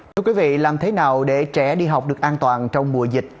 thưa quý vị làm thế nào để trẻ đi học được an toàn trong mùa dịch